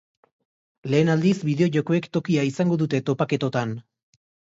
Lehen aldiz bideo-jokoek tokia izango dute topaketotan.